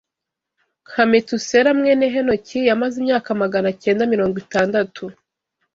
Nka Metusela mwene Henoki yamaze imyaka Magana acyenda mirongo itandatu